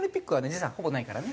時差ほぼないからね。